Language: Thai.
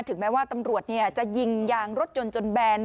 ถึงแม้ว่าตำรวจเนี่ยจะยิงยางรถยนต์จนแบน